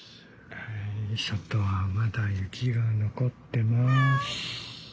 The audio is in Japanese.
外はまだ雪が残ってます。